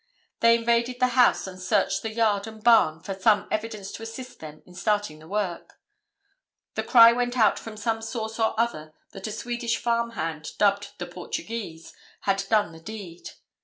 They invaded the house and searched the yard and barn for some evidence to assist them in starting the work. The cry went out from some source or other that a Swedish farm hand, dubbed "the Portuguese," had done the deed.